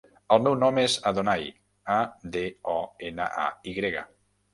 El meu nom és Adonay: a, de, o, ena, a, i grega.